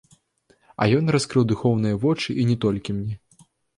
А ён раскрыў духоўныя вочы і не толькі мне.